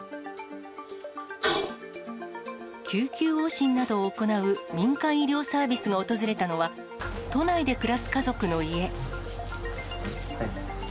救急往診などを行う民間医療サービスが訪れたのは、都内で暮らす家族の家。